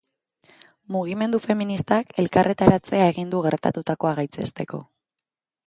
Mugimendu feministak elkarretaratzea egin du gertatutakoa gaitzesteko.